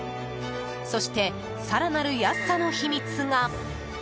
そして、更なる安さの秘密が。